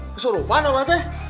keserupan apa itu